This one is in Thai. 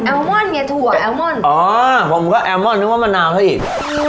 แอลมอนด์ไงถั่วแอลมอนด์อ๋อผมก็แอลมอนด์นึกว่ามะนาวเท่าอีก